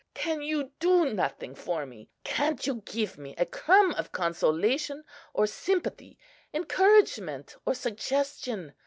"Can you do nothing for me? Can't you give me a crumb of consolation or sympathy, encouragement or suggestion?